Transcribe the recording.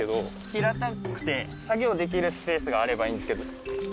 平たくて、作業できるスペースがあればいいんですけど。